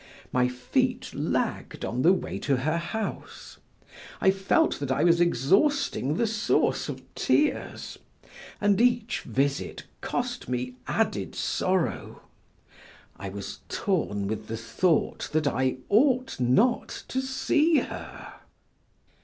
My feet lagged on the way to her house; I felt that I was exhausting the source of tears, and each visit cost me added sorrow; I was torn with the thought that I ought not to see her.